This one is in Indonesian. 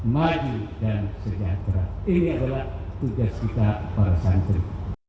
maju dan sejahtera ini adalah tugas kita para santri